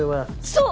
そう！